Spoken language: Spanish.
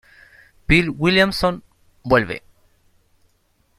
Bill Williamson vuelve.